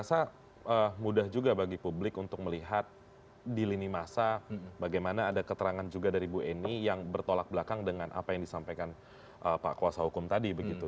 jadi saya beri peluang juga bagi publik untuk melihat di lini masa bagaimana ada keterangan juga dari bueni yang bertolak belakang dengan apa yang disampaikan pak kuasa hukum tadi begitu